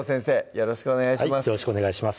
よろしくお願いします